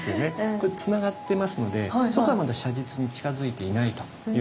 これつながってますのでそこはまだ写実に近づいていないということですよね。